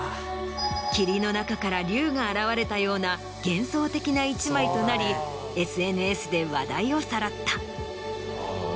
霧の中から龍が現れたような幻想的な一枚となりＳＮＳで話題をさらった。